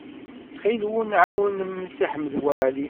Ttxil-wen, ɛawnem Si Ḥmed Waɛli.